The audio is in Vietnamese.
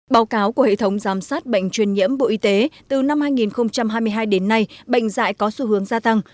báo cáo của hệ thống giám sát bệnh truyền nhiễm bộ y tế từ năm hai nghìn hai mươi hai đến nay bệnh dạy có xu hướng gia tăng